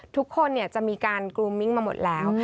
ทุกคนจะมีการกลูมมิ้งมาหมดแล้ว